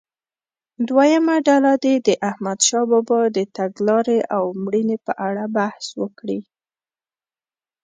دویمه ډله دې د احمدشاه بابا د تګلارې او مړینې په اړه بحث وکړي.